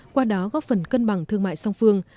qua đó góp phần cân bằng thương mại song phương